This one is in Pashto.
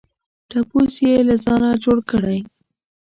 ټپوس یې له ځانه جوړ کړی.